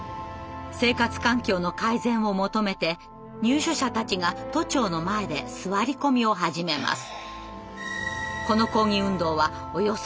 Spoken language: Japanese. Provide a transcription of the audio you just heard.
生活環境の改善を求めて入所者たちが都庁の前で座り込みを始めます。